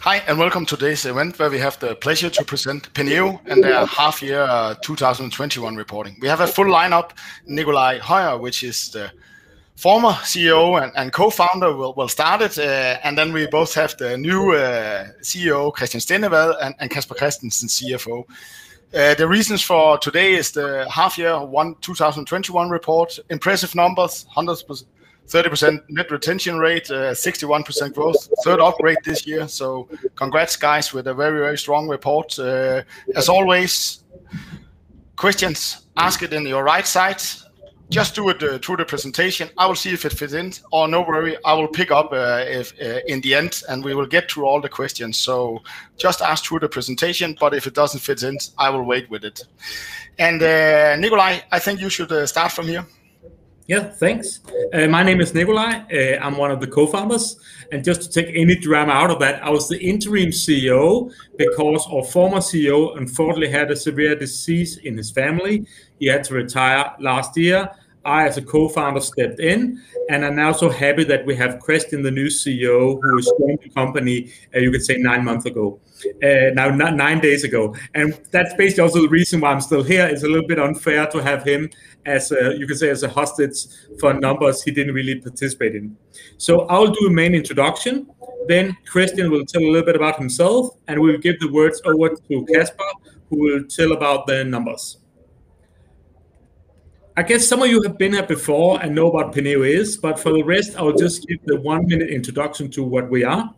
Hi, and welcome to today's event where we have the pleasure to present Penneo and their half-year 2021 reporting. We have a full lineup, Nicolaj Højer, which is the former CEO and co-founder will start it, and then we both have the new CEO, Christian Stendevad, and Casper Christiansen, CFO. The reasons for today is the half-year, 2021 report. Impressive numbers, 130% net retention rate, 61% growth, third upgrade this year, so congrats guys with a very, very strong report. As always, questions, ask it in your right sides. Just do it through the presentation. I will see if it fits in, or no worry, I will pick up in the end and we will get through all the questions. Just ask through the presentation, but if it doesn't fit in, I will wait with it. Nicolaj, I think you should start from here. Yeah, thanks. My name is Nicolaj. I'm one of the co-founders, and just to take any drama out of that, I was the Interim CEO because our former CEO unfortunately had a severe disease in his family. He had to retire last year. I, as a co-founder, stepped in, and I'm also happy that we have Christian, the new CEO, who has joined the company, you could say nine days ago. That's basically also the reason why I'm still here. It's a little bit unfair to have him as a hostage for numbers he didn't really participate in. I'll do a main introduction, then Christian will tell a little bit about himself, and we'll give the words over to Casper, who will tell about the numbers. I guess some of you have been here before and know what Penneo is, but for the rest, I'll just give the one-minute introduction to what we are.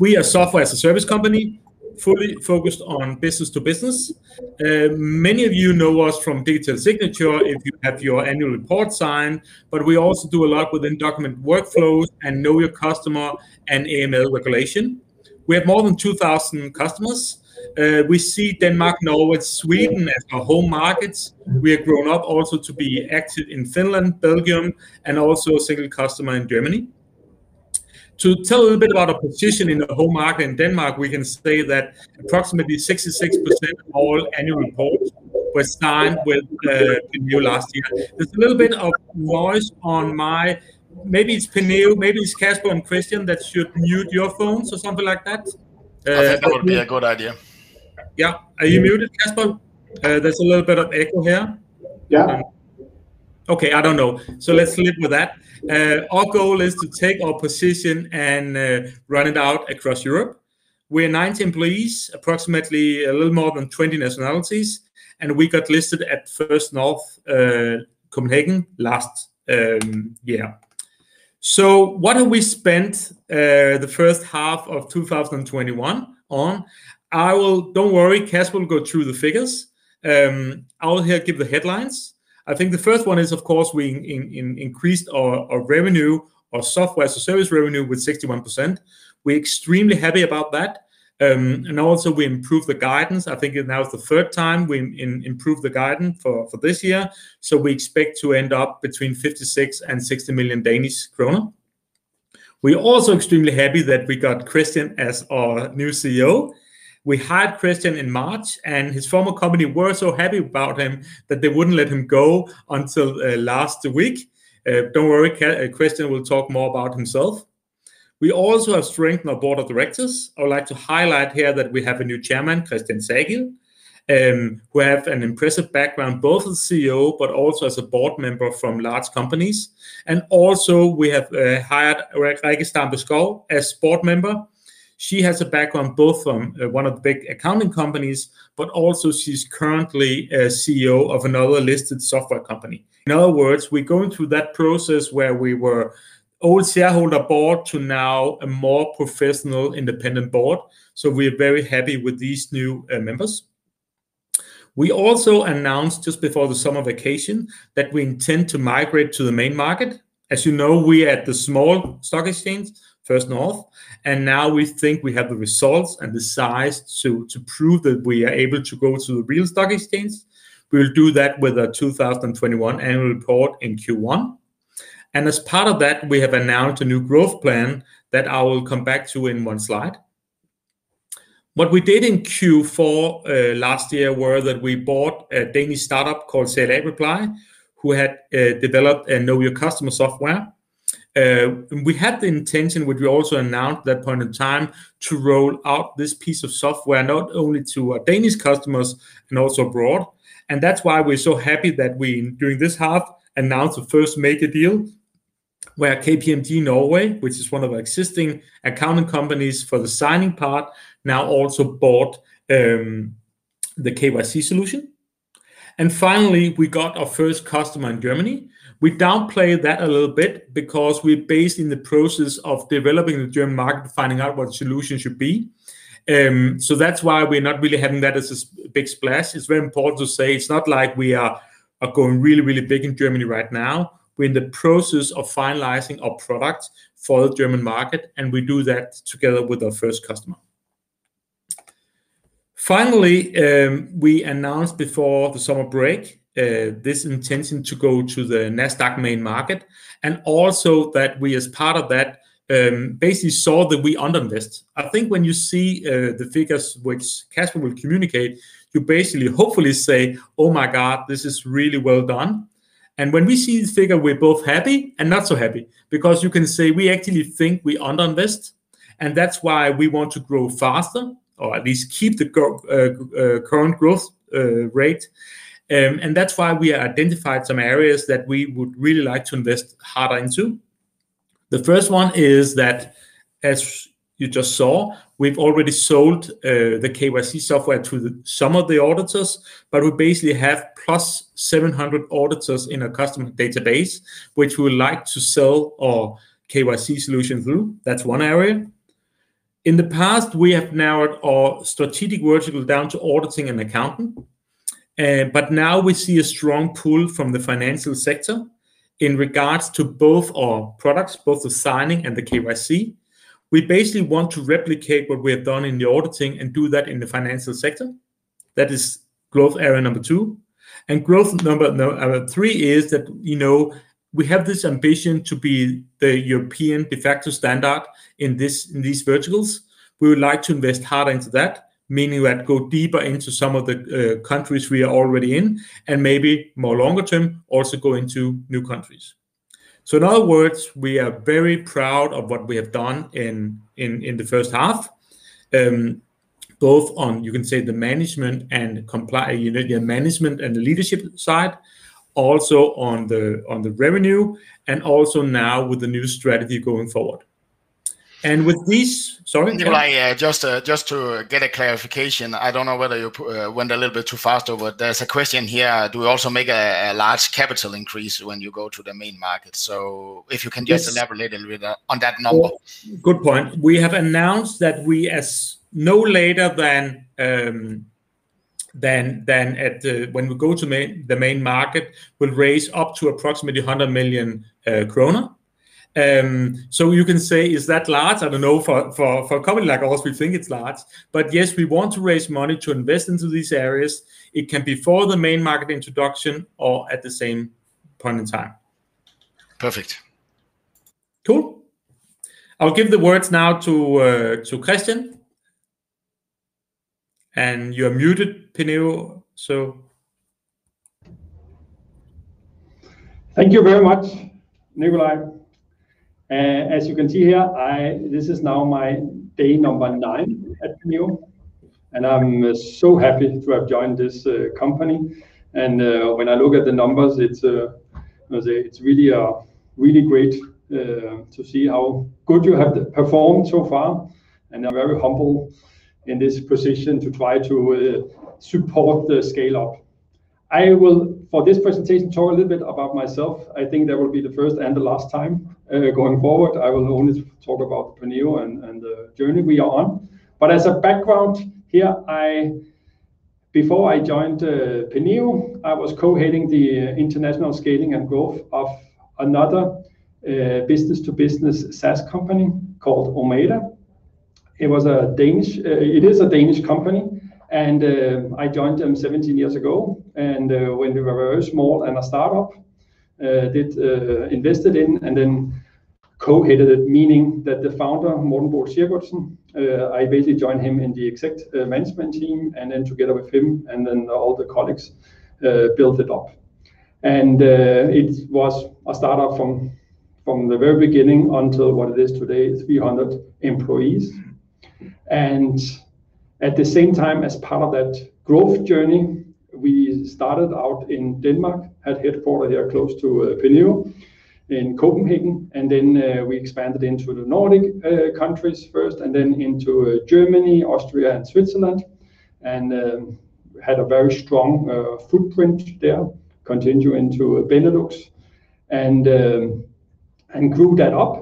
We are a software service company, fully focused on business to business. Many of you know us from digital signature if you have your annual report signed, but we also do a lot within document workflows and know your customer and AML regulation. We have more than 2,000 customers. We see Denmark, Norway, Sweden as our home markets. We have grown up also to be active in Finland, Belgium, and also a single customer in Germany. To tell a little bit about our position in the home market in Denmark, we can say that approximately 66% of all annual reports were signed with Penneo last year. Maybe it's Penneo, maybe it's Casper and Christian that should mute your phones or something like that. Yeah, good idea. Yeah. Are you muted, Casper? There's a little bit of echo here. Yeah. Okay. I don't know. Let's live with that. Our goal is to take our position and run it out across Europe. We're 90 employees, approximately a little more than 20 nationalities, and we got listed at First North Copenhagen last year. What have we spent the first half of 2021 on? Don't worry, Casper will go through the figures. I'll here give the headlines. I think the first one is, of course, we increased our revenue, our software service revenue with 61%. We're extremely happy about that, and also we improved the guidance. I think it is now the third time we improved the guidance for this year. We expect to end up between 56 million and 60 million Danish kroner. We're also extremely happy that we got Christian as our new CEO. We hired Christian in March, and his former company were so happy about him that they wouldn't let him go until last week. Don't worry, Christian will talk more about himself. We also have strengthened our board of directors. I'd like to highlight here that we have a new chairman, Christian Sagild, who have an impressive background, both as CEO but also as a board member from large companies. Also we have hired Rikke Stampe Skov as board member. She has a background both from one of the big accounting companies, but also she's currently a CEO of another listed software company. In other words, we're going through that process where we were all shareholder board to now a more professional, independent board. We're very happy with these new members. We also announced just before the summer vacation that we intend to migrate to the main market. As you know, we are at the small stock exchange, First North, and now we think we have the results and the size to prove that we are able to go to the real stock exchange. We'll do that with our 2021 annual report in Q1. As part of that, we have announced a new growth plan that I will come back to in one slide. What we did in Q4 last year were that we bought a Danish startup called CLA Reply, who had developed a know your customer software. We had the intention, which we also announced at that point in time, to roll out this piece of software not only to our Danish customers and also abroad. That's why we're so happy that we, during this half, announced the first major deal where KPMG Norway, which is one of our existing accounting companies for the signing part, now also bought the KYC solution. Finally, we got our first customer in Germany. We downplay that a little bit because we're based in the process of developing the German market, finding out what solution should be. That's why we're not really having that as a big splash. It's very important to say it's not like we are going really, really big in Germany right now. We're in the process of finalizing our product for the German market, and we do that together with our first customer. Finally, we announced before the summer break this intention to go to the Nasdaq main market, also that we, as part of that, basically saw that we under-invested. I think when you see the figures which Casper will communicate, you basically hopefully say, "Oh my god, this is really well done." When we see this figure, we're both happy and not so happy because you can say we actually think we under-invest, and that's why we want to grow faster or at least keep the current growth rate. That's why we identified some areas that we would really like to invest harder into. The first one is that, as you just saw, we've already sold the KYC software to some of the auditors, but we basically have plus 700 auditors in our customer database, which we would like to sell our KYC solution through. That's one area. In the past, we have narrowed our strategic vertical down to auditing and accounting. Now we see a strong pull from the financial sector in regards to both our products, both the signing and the KYC. We basically want to replicate what we have done in the auditing and do that in the financial sector. That is growth area number two. Growth number three is that we have this ambition to be the European de facto standard in these verticals. We would like to invest hard into that, meaning that go deeper into some of the countries we are already in, and maybe more longer term, also go into new countries. In other words, we are very proud of what we have done in the first half, both on, you can say the management and leadership side, also on the revenue, and also now with the new strategy going forward. Sorry? Nicolaj, just to get a clarification, I don't know whether you went a little bit too fast, but there's a question here. Do we also make a large capital increase when you go to the main market? If you can just elaborate a little bit on that note. Good point. We have announced that we, as no later than when we go to the main market, will raise up to approximately 100 million kroner. You can say, is that large? I don't know. For a company like us, we think it's large. Yes, we want to raise money to invest into these areas. It can be before the main market introduction or at the same point in time. Perfect. Cool. I'll give the words now to Christian. You're muted, Penneo. Thank you very much, Nicolaj. As you can see here, this is now my day number nine at Penneo, I'm so happy to have joined this company. When I look at the numbers, it's really great to see how good you have performed so far, I'm very humbled in this position to try to support the scale-up. I will, for this presentation, talk a little bit about myself. I think that will be the first and the last time. Going forward, I will only talk about Penneo and the journey we are on. As a background here, before I joined Penneo, I was co-heading the international scaling and growth of another business-to-business SaaS company called Omada. It is a Danish company, and I joined them 17 years ago, when they were very small and a startup, invested in and then co-headed it, meaning that the founder, Morten Borg Jakobsen, I basically joined him in the exec management team and then together with him and then all the colleagues built it up. It was a startup from the very beginning until what it is today, 300 employees. At the same time, as part of that growth journey, we started out in Denmark, had headquarters close to Penneo in Copenhagen, and then we expanded into the Nordic countries first and then into Germany, Austria and Switzerland, and had a very strong footprint there, continued into the Benelux and grew that up.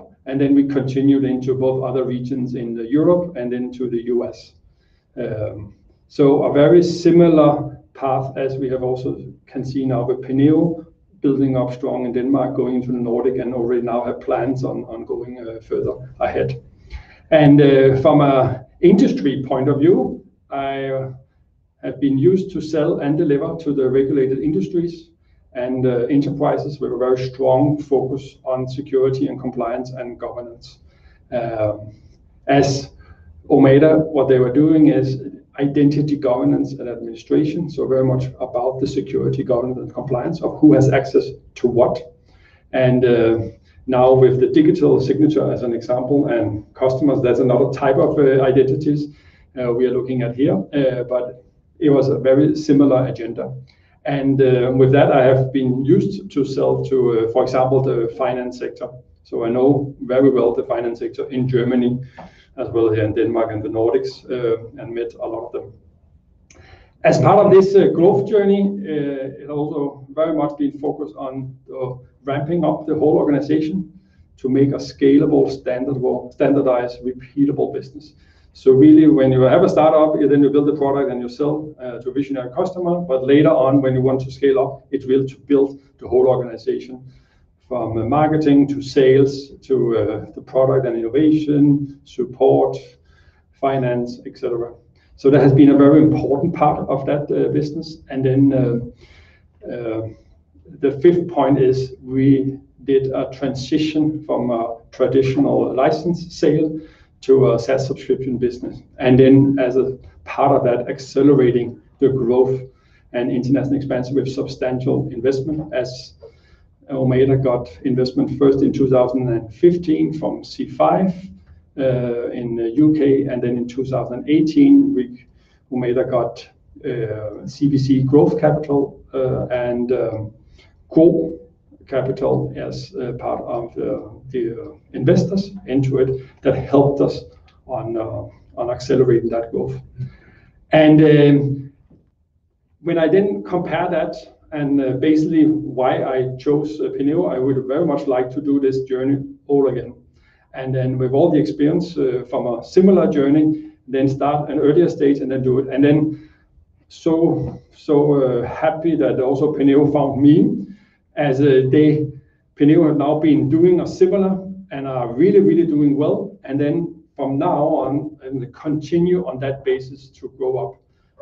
We continued into both other regions in the Europe and into the U.S. A very similar path as we also can see now with Penneo building up strong in Denmark, going to the Nordics and already now have plans on going further ahead. From an industry point of view, I have been used to sell and deliver to the regulated industries and enterprises with a very strong focus on security and compliance and governance. As Omada, what they were doing is identity governance and administration, very much about the security governance and compliance of who has access to what. Now with the digital signature as an example and customers, that's another type of identities we are looking at here. It was a very similar agenda. With that, I have been used to sell to, for example, the finance sector. I know very well the finance sector in Germany as well here in Denmark and the Nordics. I met a lot of them. As part of this growth journey, it also very much been focused on ramping up the whole organization to make a scalable, standardized, repeatable business. really when you have a startup, then you build a product and you sell to a visionary customer. later on when you want to scale up, it's really to build the whole organization from the marketing to sales to the product innovation, support, finance, et cetera. that has been a very important part of that business. The fifth point is we did a transition from a traditional license sale to a SaaS subscription business. As a part of that, accelerating the growth and international expansion with substantial investment as Omada got investment first in 2015 from C5 in the U.K., and then in 2018, Omada got CVC Growth Capital and GRO Capital as part of the investors into it that helped us on accelerating that growth. When I didn't compare that and basically why I chose Penneo, I would very much like to do this journey all again. With all the experience from a similar journey, then start an earlier stage and then do it. Happy that also Penneo found me as they, Penneo have now been doing a similar and are really doing well. From now on and continue on that basis to grow up.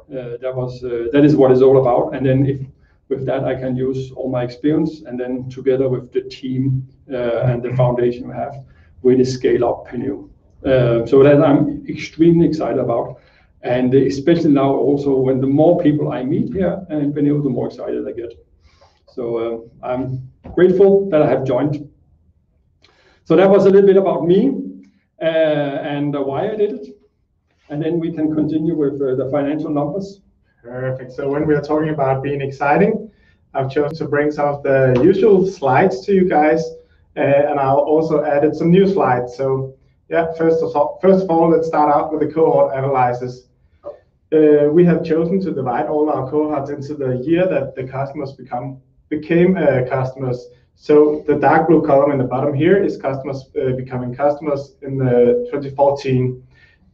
That is what it's all about. If with that I can use all my experience and then together with the team and the foundation we have, really scale up Penneo. that I'm extremely excited about and especially now also with the more people I meet here at Penneo, the more excited I get. I'm grateful that I have joined. that was a little bit about me and why I did it, and then we can continue with the financial numbers. Perfect. when we are talking about being exciting, I've chosen to bring out the usual slides to you guys, and I'll also added some new slides. yeah, first of all, let's start out with the cohort analysis. We have chosen to divide all our cohorts into the year that the customers became customers. the dark blue column in the bottom here is customers becoming customers in 2014.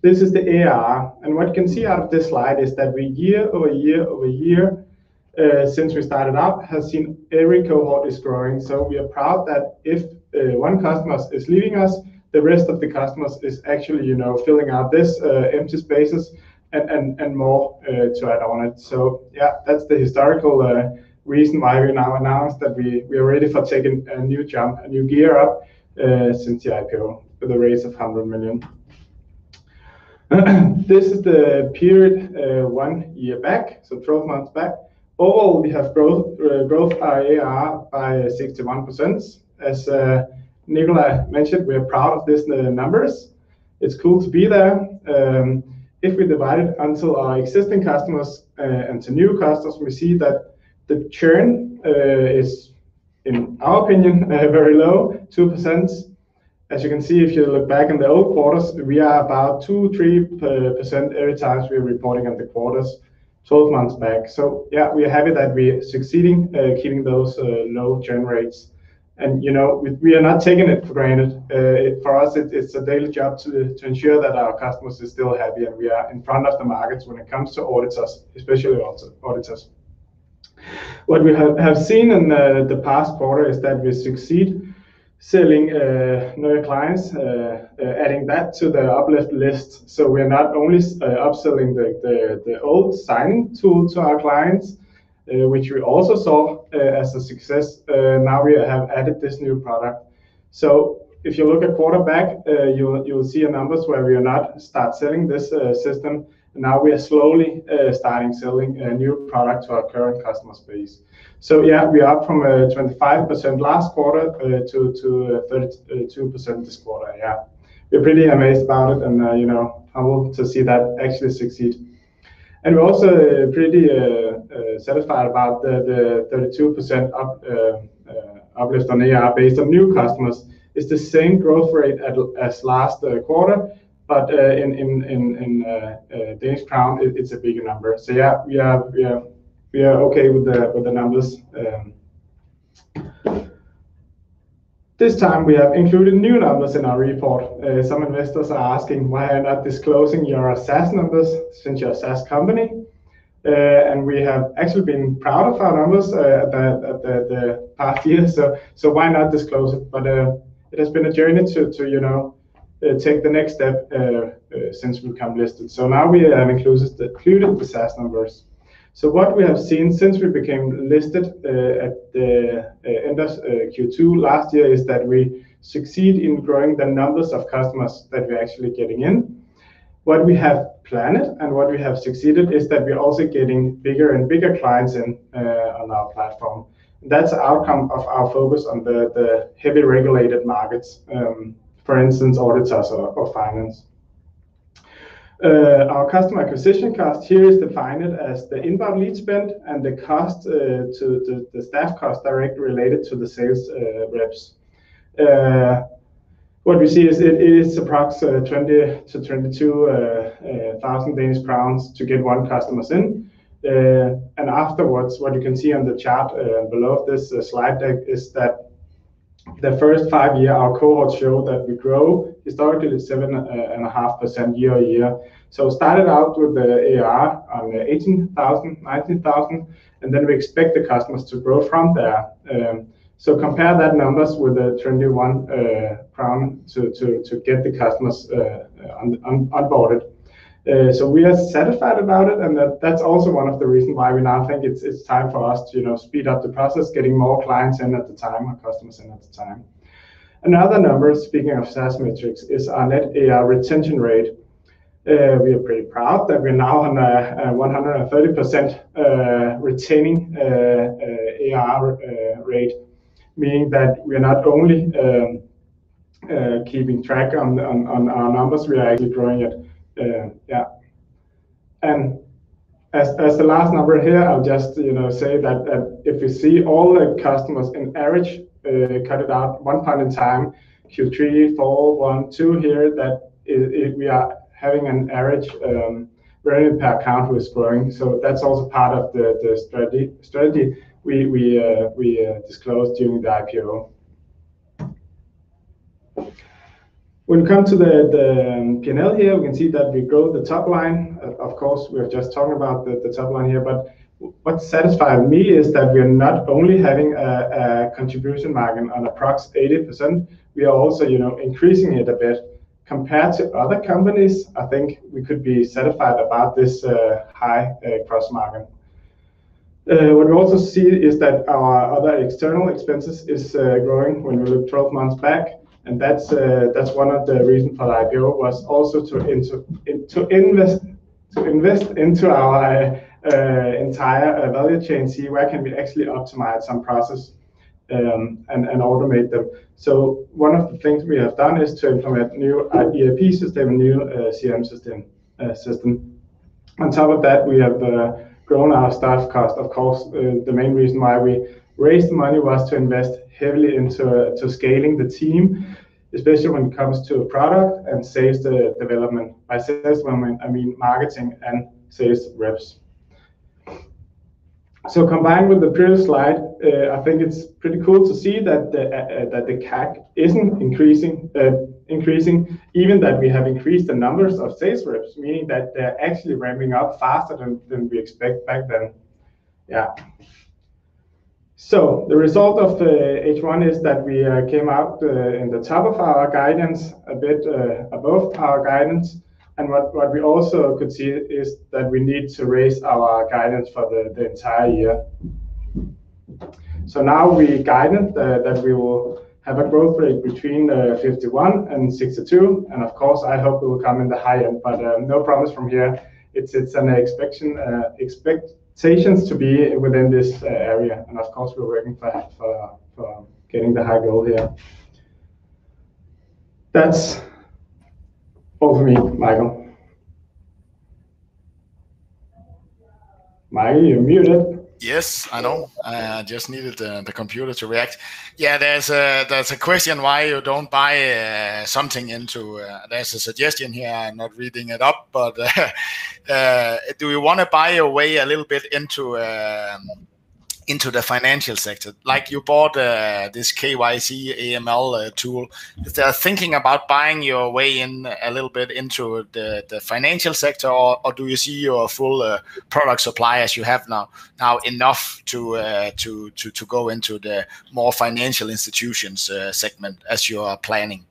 This is the ARR, and what you can see out of this slide is that year over year over year, since we started up, has seen every cohort is growing. We are proud that if one customer is leaving us, the rest of the customers is actually filling out this empty spaces and more to add on it. Yeah, that's the historical reason why we now announced that we are ready for taking a new jump, a new gear up since the IPO with a raise of 100 million. This is the period one year back, so 12 months back. Overall, we have grown our ARR by 61%. As Nicolaj mentioned, we are proud of these numbers. It's cool to be there. If we divide it into our existing customers and to new customers, we see that the churn is, in our opinion, very low, 2%. As you can see, if you look back in the old quarters, we are about 2% or 3% every time we are reporting on the quarters 12 months back. Yeah, we're happy that we are succeeding keeping those low churn rates. We are not taking it for granted. For us, it's a daily job to ensure that our customers are still happy and we are in front of the markets when it comes to auditors, especially auditors. What we have seen in the past quarter is that we succeed selling new clients, adding that to the uplift list. We're not only upselling the old signing tool to our clients, which we also saw as a success. Now we have added this new product. If you look a quarter back, you'll see our numbers where we are now starting selling this system. Now we are slowly starting selling a new product to our current customer space. Yeah, we are up from 25% last quarter to 32% this quarter. Yeah, we're pretty amazed about it, and I want to see that actually succeed. Also pretty satisfied about the 32% uplift on ARR based on new customers. It's the same growth rate as last quarter, but in Danish crown, it's a big number. Yeah, we are okay with the numbers. This time we have included new numbers in our report. Some investors are asking, "Why you are not disclosing your SaaS numbers since you're a SaaS company?" We have actually been proud of our numbers the past year, so why not disclose it? It's been a journey to take the next step since we become listed. Now we have included the SaaS numbers. What we have seen since we became listed at the end of Q2 last year is that we succeed in growing the numbers of customers that we're actually getting in. What we have planned and what we have succeeded is that we are also getting bigger and bigger clients in on our platform. That's an outcome of our focus on the heavy regulated markets, for instance, auditors or finance. Our customer acquisition cost here is defined as the inbound lead spend and the staff cost directly related to the sales reps. What we see is it is approx 20,000-22,000 Danish crowns to get one customer in. afterwards, what you can see on the chart below this slide deck is that the first time here, our cohort show that we grow historically 7.5% year-over-year. Started out with the ARR on 18,000, 19,000, and then we expect the customers to grow from there. compare that numbers with the 21 crown to get the customers on boarded. we are satisfied about it, and that's also one of the reason why we now think it's time for us to speed up the process, getting more clients in at the time, more customers in at the time. Another number, speaking of SaaS metrics, is net ARR retention rate. We are very proud that we're now on a 130% retaining AR rate, meaning that we're not only keeping track on our numbers, we are actually growing it. Yeah. As the last number here, I'll just say that if you see all the customers in average, cut it out, one point in time, Q3, four, one, two here, that if we are having an average revenue per account, we're growing. That's also part of the strategy we disclosed during the IPO. When we come to the P&L here, we can see that we grow the top line. Of course, we are just talking about the top line here. What satisfies me is that we are not only having a contribution margin on approx 80%, we are also increasing it a bit. Compared to other companies, I think we could be satisfied about this high gross margin. What we also see is that our other external expenses is growing when we look 12 months back, and that's one of the reasons for the IPO, was also to invest into our entire value chain, see where can we actually optimize some process and automate them. One of the things we have done is to implement new ERP system, a new CRM system. On top of that, we have grown our staff cost. Of course, the main reason why we raised money was to invest heavily into scaling the team, especially when it comes to product and sales development. By sales, when I mean marketing and sales reps. Combined with the previous slide, I think it's pretty cool to see that the CAC isn't increasing, even that we have increased the numbers of sales reps, meaning that they're actually ramping up faster than we expect back then. Yeah. The result of the H1 is that we came out in the top of our guidance, a bit above our guidance. What we also could see is that we need to raise our guidance for the entire year. Now we guided that we will have a growth rate between 51 and 62, and of course, I hope it will come in the high end, but no promise from here. It's an expectations to be within this area and of course, we're working for getting the high goal here. That's all from me, Michael. Michael, you muted? Yes, I know. I just needed the computer to react. Yeah, there's a question. There's a suggestion here, I'm not reading it up, but do we want to buy our way a little bit into the financial sector? Like you bought this KYC, AML tool. Thinking about buying your way in a little bit into the financial sector, or do you see your full product supply as you have now enough to go into the more financial institutions segment as you are planning?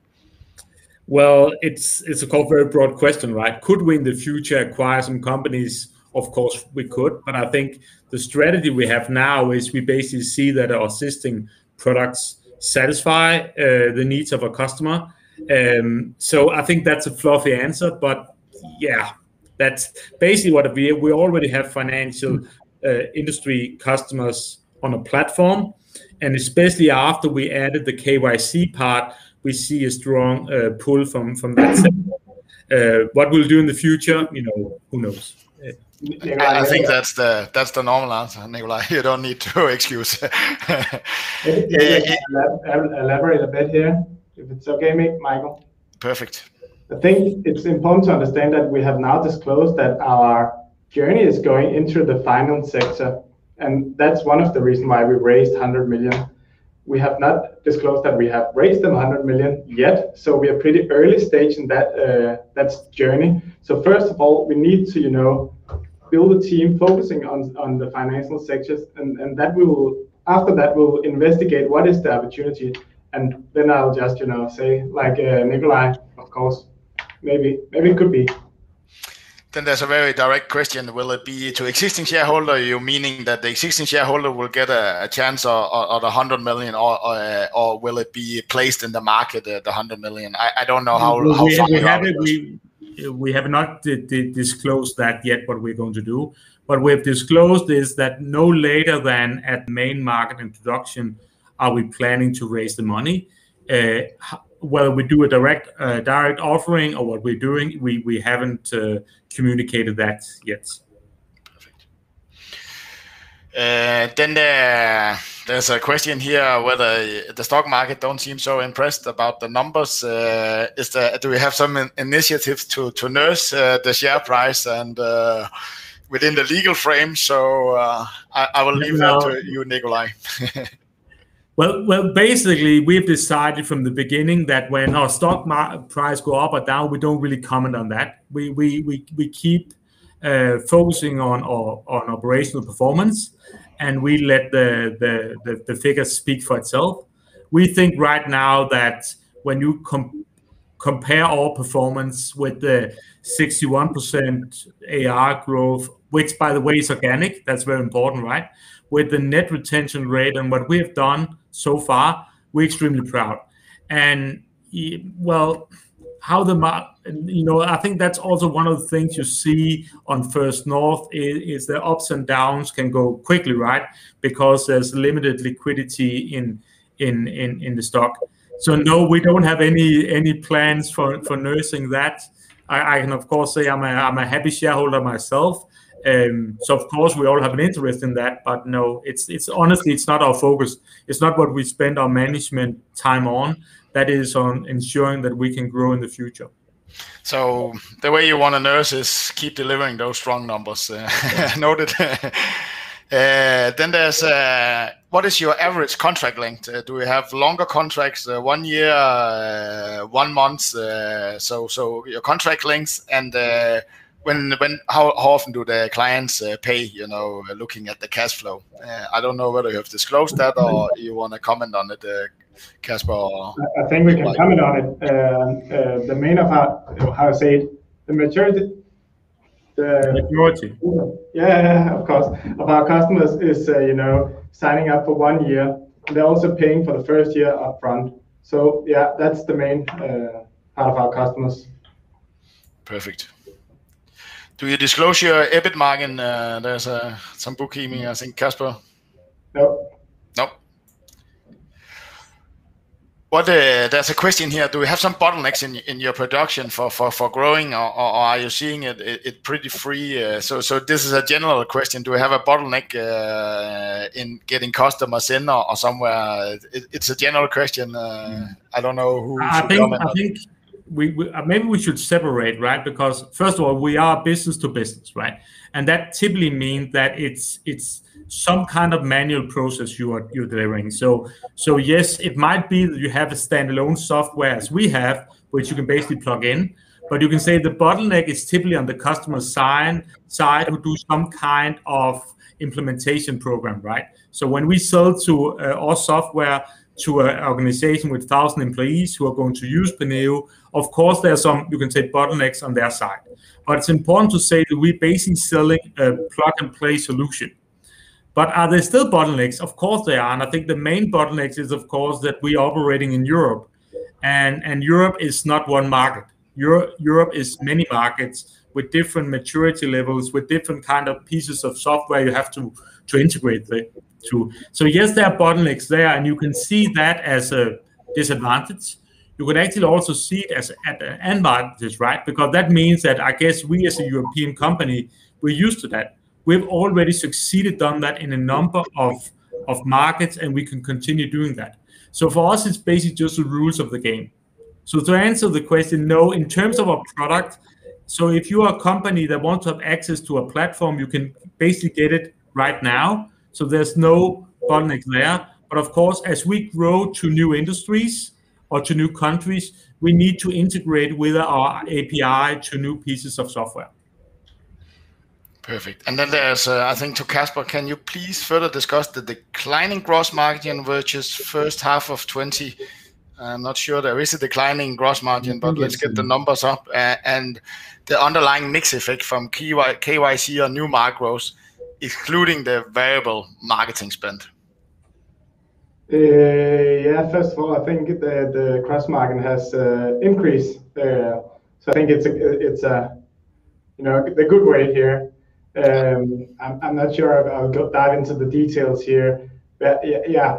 Well, it's a very broad question, right? Could we in the future acquire some companies? Of course, we could. I think the strategy we have now is we basically see that our existing products satisfy the needs of a customer. I think that's a fluffy answer, but yeah. That's basically what I mean. We already have financial industry customers on a platform, and especially after we added the KYC part, we see a strong pull from that sector. What we'll do in the future, who knows? I think that's the normal answer, Nicolaj. You don't need to excuse it. Yeah. Can I elaborate a bit here, if it's okay, Michael? Perfect. I think it's important to understand that we have now disclosed that our journey is going into the finance sector, and that's one of the reasons why we raised 100 million. We have not disclosed that we have raised the 100 million yet, so we are pretty early stage in that journey. First of all, we need to build a team focusing on the financial sectors, and after that, we'll investigate what is the opportunity, and then I'll just say like Nicolaj, of course, maybe. It could be. There's a very direct question. Will it be to existing shareholder? You're meaning that the existing shareholder will get a chance of the 100 million, or will it be placed in the market at 100 million? I don't know how- We have not disclosed that yet, what we're going to do. What we have disclosed is that no later than at main market introduction are we planning to raise the money. Whether we do a direct offering or what we're doing, we haven't communicated that yet. Perfect. there's a question here, whether the stock market don't seem so impressed about the numbers. Do we have some initiative to nurse the share price and within the legal frame? I will leave that to you, Nicolaj. Well, basically, we've decided from the beginning that when our stock price go up or down, we don't really comment on that. We keep focusing on operational performance, and we let the figures speak for itself. We think right now that when you compare our performance with the 61% ARR growth, which by the way, is organic, that's very important, right? With the net retention rate and what we have done so far, we're extremely proud. Well, I think that's also one of the things you see on First North is that ups and downs can go quickly, right? Because there's limited liquidity in the stock. no, we don't have any plans for nursing that. I can, of course, say I'm a happy shareholder myself, and so of course, we all have an interest in that. no, honestly, it's not our focus. It's not what we spend our management time on. That is on ensuring that we can grow in the future. The way you want to nurse is keep delivering those strong numbers. Noted. there's, what is your average contract length? Do we have longer contracts, one year, one month? your contract lengths and how often do the clients pay, looking at the cash flow? I don't know whether you have disclosed that or you want to comment on it, Casper? I think we can comment on it. The main of that, I would say the majority. Majority. Yeah, of course, of our customers is signing up for one year, and they're also paying for the first year up front. yeah, that's the main part of our customers. Perfect. Do we disclose your EBIT margin? There's some bookkeeping, I think, Casper? No. No. There's a question here, do we have some bottlenecks in your production for growing, or are you seeing it pretty free? This is a general question, do we have a bottleneck in getting customers in or somewhere? It's a general question. I don't know who- I think maybe we should separate, right? Because first of all, we are business to business, right? that typically means that it's some kind of manual process you're delivering. yes, it might be that you have a standalone software as we have, which you can basically plug in, but you can say the bottleneck is typically on the customer side who do some kind of implementation program, right? when we sell our software to an organization with 1,000 employees who are going to use Penneo, of course, there's some, you can say, bottlenecks on their side. it's important to say that we're basically selling a plug-and-play solution. are there still bottlenecks? Of course, there are. I think the main bottleneck is, of course, that we are operating in Europe, and Europe is not one market. Europe is many markets with different maturity levels, with different kind of pieces of software you have to integrate to. Yes, there are bottlenecks there, and you can see that as a disadvantage. You could actually also see as advantages, right? Because that means that, I guess we as a European company, we're used to that. We've already succeeded on that in a number of markets, and we can continue doing that. For us, it's basically just the rules of the game. To answer the question, no, in terms of our product, so if you're a company that wants to have access to a platform, you can basically get it right now. There's no bottleneck there. Of course, as we grow to new industries or to new countries, we need to integrate with our API to new pieces of software. Perfect. there's, I think to Casper, can you please further discuss the declining gross margin versus first half of 2020? I'm not sure there is a declining gross margin, but let's get the numbers up and the underlying mix effect from KYC on new markets, excluding the variable marketing spend. Yeah. First of all, I think the gross margin has increased. I think it's a good rate here. I'm not sure I'll go that into the details here. Yeah,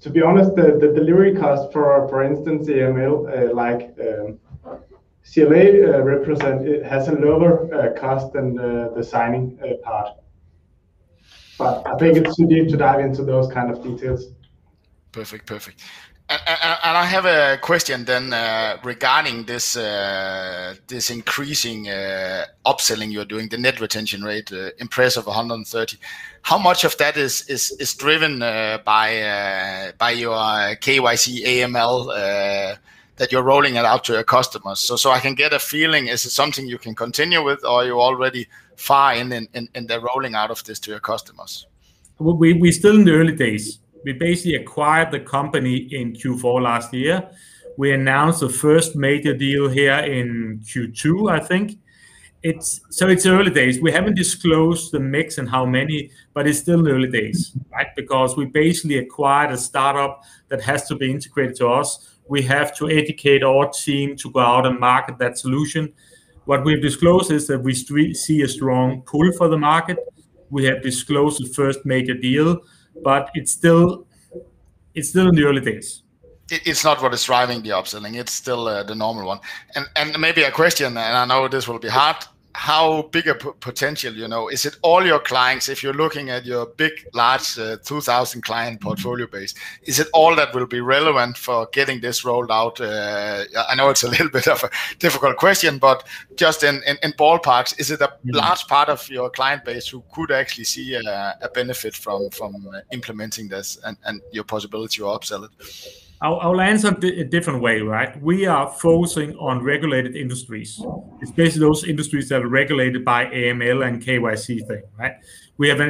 to be honest, the delivery cost, for instance, the AML, like CLA Reply, it has a lower cost than the signing part. I think it's too deep to dive into those kind of details. Perfect. I have a question then regarding this increasing upselling you're doing, the net retention rate, impressive 130. How much of that is driven by your KYC, AML that you're rolling it out to your customers? I can get a feeling, is it something you can continue with, or you're already far in the rolling out of this to your customers? We're still in the early days. We basically acquired the company in Q4 last year. We announced the first major deal here in Q2, I think. It's early days. We haven't disclosed the mix and how many, but it's still early days because we basically acquired a startup that has to be integrated to us. We have to educate our team to go out and market that solution. What we've disclosed is that we see a strong pull for the market. We have disclosed the first major deal, but it's still in the early days. It's not what is driving the upselling. It's still the normal one. maybe a question, and I know this will be hard, how big a potential? Is it all your clients, if you're looking at your big, large, 2,000 client portfolio base, is it all that will be relevant for getting this rolled out? I know it's a little bit of a difficult question, but just in ballparks, is it a large part of your client base who could actually see a benefit from implementing this and your possibility to upsell it? I'll answer it a different way, right? We are focusing on regulated industries. It's basically those industries that are regulated by AML and KYC thing, right? We have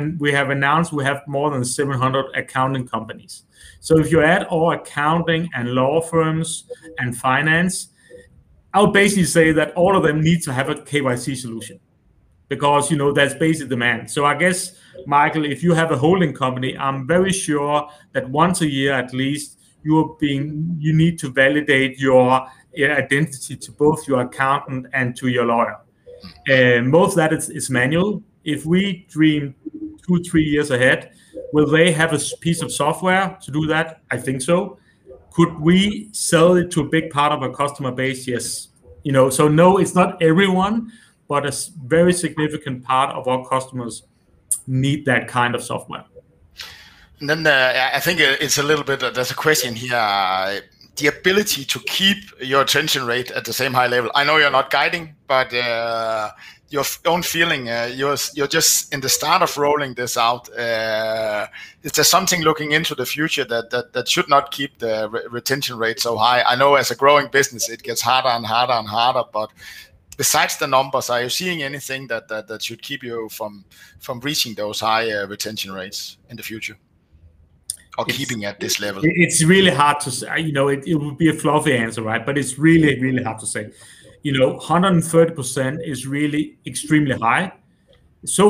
announced we have more than 700 accounting companies. If you add all accounting and law firms and finance, I'll basically say that all of them need to have a KYC solution because that's basic demand. I guess, Michael, if you have a holding company, I'm very sure that once a year at least, you need to validate your identity to both your accountant and to your lawyer. Most of that is manual. If we dream two, three years ahead, will they have a piece of software to do that? I think so. Could we sell it to a big part of our customer base? Yes. So no, it's not everyone, but a very significant part of our customers need that kind of software. I think it's a little bit, there's a question here. The ability to keep your retention rate at the same high level. I know you're not guiding, but your own feeling. You're just in the start of rolling this out. Is there something looking into the future that should not keep the retention rate so high? I know as a growing business, it gets harder and harder and harder, but besides the numbers, are you seeing anything that should keep you from reaching those higher retention rates in the future, or keeping at this level? It's really hard to say. It would be a fluffy answer, right? It's really hard to say. 130% is really extremely high.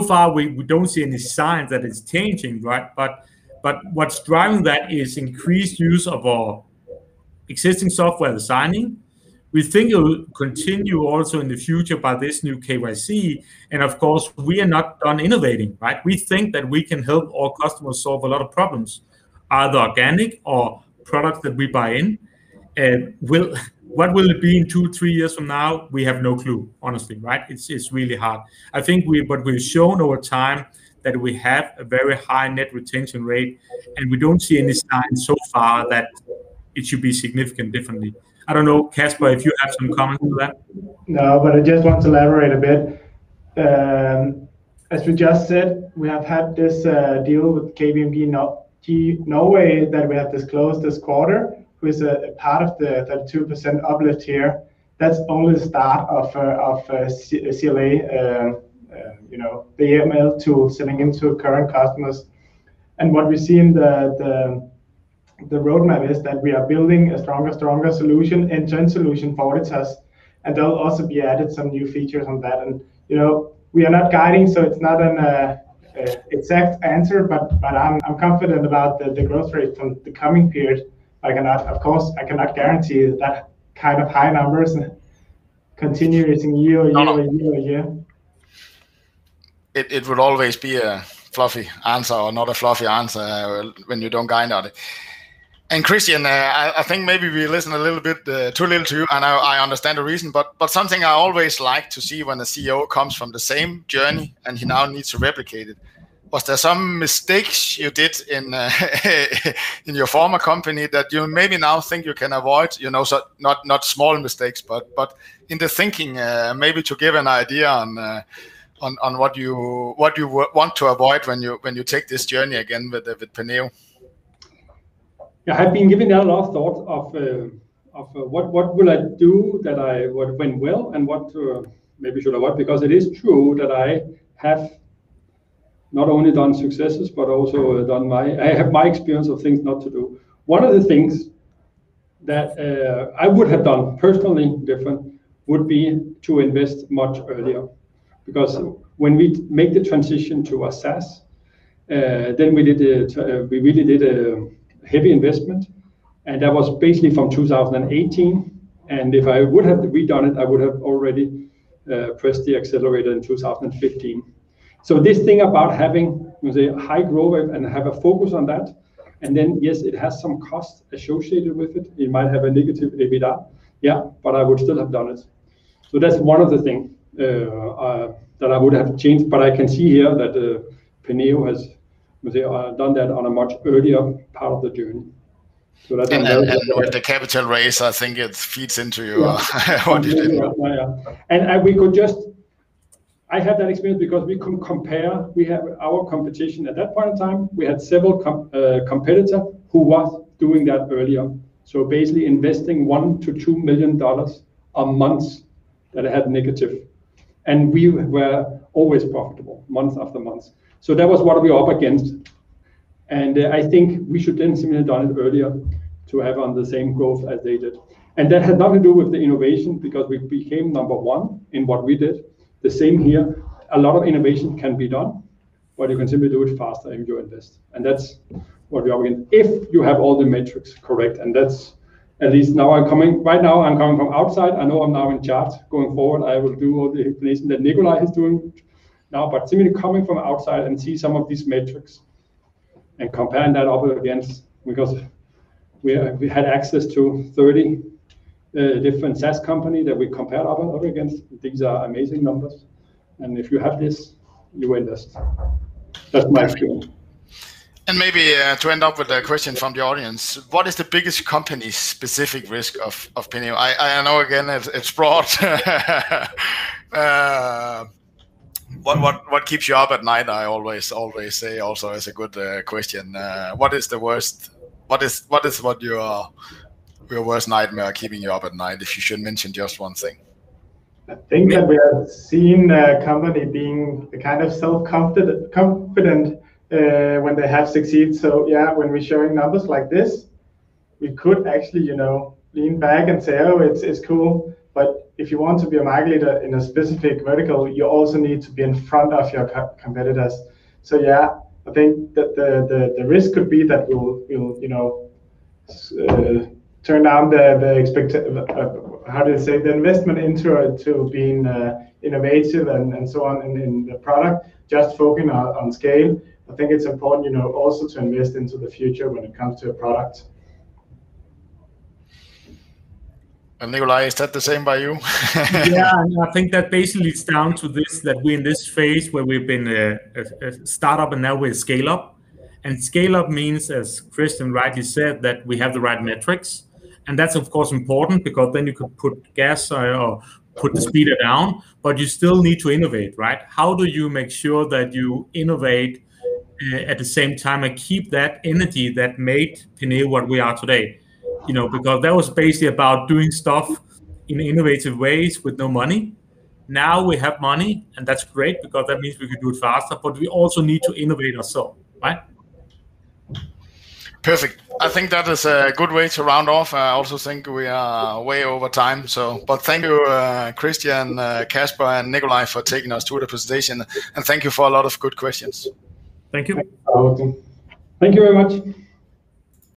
Far, we don't see any sign that it's changing, right? What's driving that is increased use of our existing software designing. We think it will continue also in the future by this new KYC, and of course, we are not done innovating, right? We think that we can help our customers solve a lot of problems, either organic or products that we buy in. What will it be in two, three years from now? We have no clue, honestly, right? It's really hard. I think what we've shown over time, that we have a very high net retention rate, and we don't see any signs so far that it should be significant differently. I don't know, Casper, if you have some comments on that? No, I just want to elaborate a bit. As we just said, we have had this deal with KPMG Norway that we have disclosed this quarter, who is a part of the 2% upper tier. That's only the start of CLA, the AML tool selling into current customers. What we see in the roadmap is that we are building a stronger solution, end-to-end solution for it, and they'll also be added some new features on that. We are not guiding, so it's not an exact answer, but I'm confident about the growth rate on the coming period. Of course, I cannot guarantee that kind of high numbers continue year over year over year. It would always be a fluffy answer or not a fluffy answer when you don't guide on it. Christian, I think maybe we listen a little bit too literally, and I understand the reason, but something I always like to see when a CEO comes from the same journey and he now needs to replicate it. Was there some mistakes you did in your former company that you maybe now think you can avoid? Not small mistakes, but in the thinking, maybe to give an idea on what you want to avoid when you take this journey again with Penneo. Yeah. I've been giving that a lot of thought, of what would I do that went well and what maybe should I avoid, because it is true that I have not only done successes, but also I have my experience of things not to do. One of the things that I would have done personally different would be to invest much earlier, because when we made the transition to a SaaS, then we really did a heavy investment, and that was basically from 2018. If I would have to be done it, I would have already pressed the accelerator in 2015. This thing about having, we say, high growth rate and have a focus on that, and then yes, it has some costs associated with it. It might have a negative EBITDA. Yeah. I would still have done it. That's one of the things that I would have changed, but I can see here that Penneo has, we say, done that on a much earlier part of the journey. With the capital raise, I think it feeds into your how did you- Yeah. I had that experience because we could compare. We have our competition at that point in time. We had several competitor who was doing that earlier. Basically investing DKK 1 million-DKK 2 million a month that had negative. We were always profitable month after month. That was what we're up against. I think we should then simply done it earlier to have on the same growth as they did. That had nothing to do with the innovation because we became number one in what we did. The same here. A lot of innovation can be done, but you can simply do it faster in doing this. That's what we are doing. If you have all the metrics correct, and that's at least now I'm coming from outside. I know I'm now in charge. Going forward, I will do all the things that Nicolaj is doing now. simply coming from outside and see some of these metrics and comparing that up against, because we had access to 30 different SaaS company that we compare up against. These are amazing numbers. if you have this, you win this. That's my feeling. Maybe to end up with a question from the audience, what is the biggest company-specific risk of Penneo? I know again, it's broad. What keeps you up at night, I always say also is a good question. What is your worst nightmare keeping you up at night, if you should mention just one thing? I think that we have seen a company being kind of so confident when they have succeeded. When we're showing numbers like this, we could actually lean back and say, "Oh, it's cool." If you want to be a market leader in a specific vertical, you also need to be in front of your competitors. I think the risk could be that you'll turn down the investment into being innovative and so on in the product, just focusing on scale. I think it's important also to invest into the future when it comes to a product. Nicolaj, is that the same by you? Yeah, I think that basically it's down to this, that we're in this phase where we've been a startup, and now we're a scale-up. Scale-up means, as Christian rightly said, that we have the right metrics. That's of course important because then you can put gas or put speed down, but you still need to innovate, right? How do you make sure that you innovate, at the same time and keep that energy that made Penneo what we are today? Because that was basically about doing stuff in innovative ways with no money. Now we have money, and that's great because that means we can do it faster, but we also need to innovate ourselves, right? Perfect. I think that is a good way to round off. I also think we are way over time, so. Thank you, Christian, Casper, and Nicolaj for taking us through the presentation. Thank you for a lot of good questions. Thank you. You're welcome. Thank you very much.